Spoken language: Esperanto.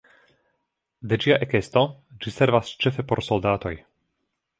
De ĝia ekesto ĝi servas ĉefe por soldatoj.